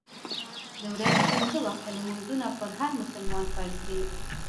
د ورځې پنځه وخته لمونځونه پر هر مسلمان فرض دي.